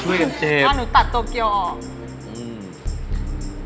ว่าหนูตัดโตเกียวออกอืม